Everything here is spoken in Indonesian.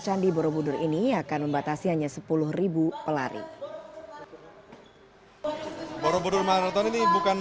candi borobudur ini akan membatasi hanya sepuluh pelari borobudur marathon ini bukan